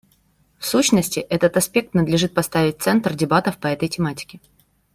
В сущности, этот аспект надлежит поставить в центр дебатов по этой тематике.